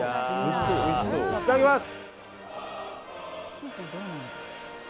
いただきます！